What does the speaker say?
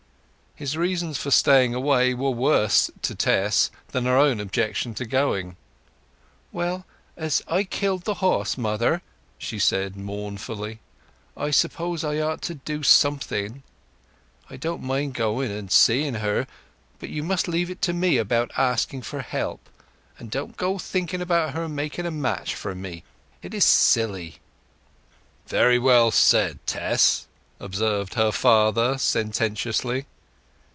His reasons for staying away were worse to Tess than her own objections to going. "Well, as I killed the horse, mother," she said mournfully, "I suppose I ought to do something. I don't mind going and seeing her, but you must leave it to me about asking for help. And don't go thinking about her making a match for me—it is silly." "Very well said, Tess!" observed her father sententiously.